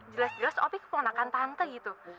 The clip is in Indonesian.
jelas jelas opi keponakan tante gitu